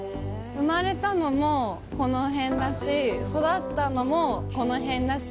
生まれたのもこの辺だし育ったのもこの辺だし。